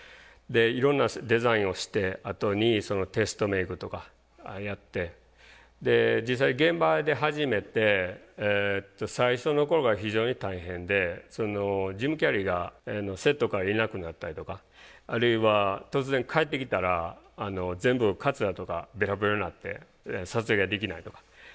いろんなデザインをしたあとにテストメイクとかやって実際現場で始めて最初の頃が非常に大変でジム・キャリーがセットからいなくなったりとかあるいは突然帰ってきたら全部カツラとかベロベロになって撮影ができないとか。